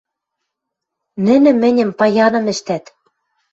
— Нӹнӹ мӹньӹм паяным ӹштӓт.